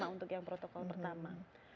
ya sama untuk yang protokol pertama